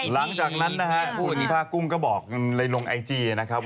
หลังจากนั้นคุณผ้ากุ้งก็บอกเลยลงไอจีนะครับ